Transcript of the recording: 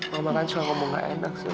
mama kan suka ngomong gak enak sama dia